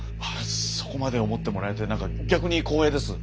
そこまで思ってもらえてなんか逆に光栄です。